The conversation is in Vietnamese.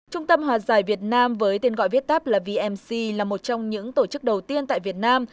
trung tâm hòa giải việt nam với tên gọi viết tắt là vnc là một trong những tổ chức đầu tiên tại việt nam